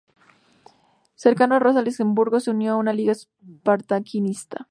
Cercano a Rosa Luxemburgo, se unió a la Liga Espartaquista.